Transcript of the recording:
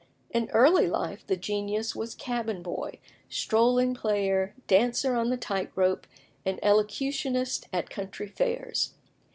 In early life the genius was cabin boy, strolling player, dancer on the tight rope, and elocutionist at country fairs.